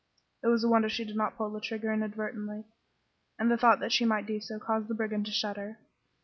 It was a wonder she did not pull the trigger inadvertently, and the thought that she might do so caused the brigand to shudder.